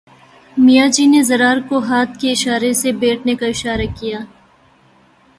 میاں جی نے ضرار کو ہاتھ کے اشارے سے بیٹھنے کا اشارہ کیا